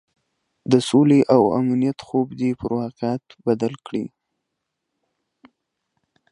د سولې او امنیت خوب دې پر واقعیت بدل کړي.